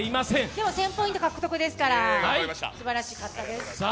でも１０００ポイント獲得ですから、すばらしかったです。